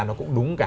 nó cũng đúng cả